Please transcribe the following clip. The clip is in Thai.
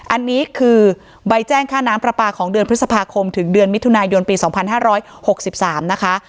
อันนี้คือใบแจ้งค่าน้ำปลาปลาของเดือนพฤษภาคมถึงเดือนมิถุนายนปี๒๕๖๓นะคะ